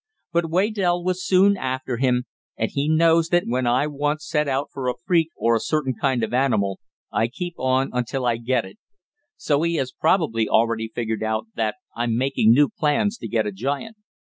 But Waydell was soon after him, and he knows that when I once set out for a freak or a certain kind of animal I keep on until I get it. So he has probably already figured out that I'm making new plans to get a giant."